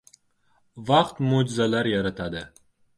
• Vaqt mo‘jizalar yaratadi.